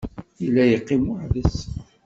Yella yeqqim weḥd-s.